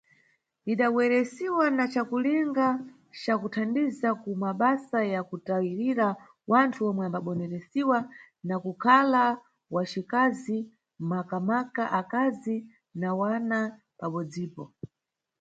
Idabweresiwa na cakulinga ca kuthandiza ku mabasa ya kutayirira wanthu omwe ambaboneresiwa na kukhala wacikazi, makamaka akazi na wana pabodzipo.